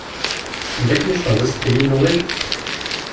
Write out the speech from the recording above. Anda akken i teffreḍ asefk-nni n nuwel?